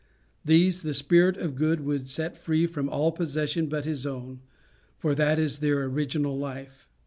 These the spirit of good would set free from all possession but his own, for that is their original life.